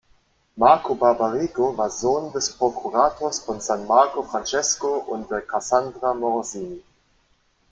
Marco Barbarigo war Sohn des Prokurators von San Marco Francesco und der Cassandra Morosini.